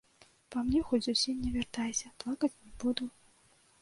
Па мне хоць зусім не вяртайся, плакаць не буду.